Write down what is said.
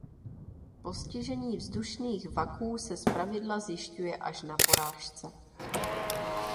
Postižení vzdušných vaků se zpravidla zjišťuje až na porážce.